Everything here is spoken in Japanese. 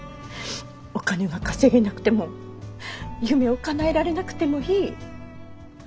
お金が稼げなくても夢をかなえられなくてもいい。